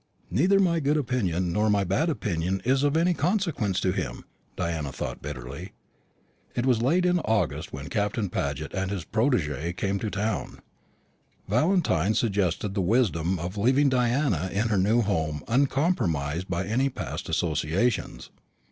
"Neither my good opinion nor my bad opinion is of any consequence to him," Diana thought bitterly. It was late in August when Captain Paget and his protégé came to town. Valentine suggested the wisdom of leaving Diana in her new home uncompromised by any past associations.